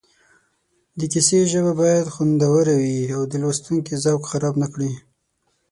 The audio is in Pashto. د کیسې ژبه باید خوندوره وي او د لوستونکي ذوق خراب نه کړي